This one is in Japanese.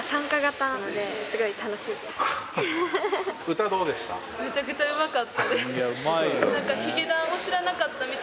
歌どうでした？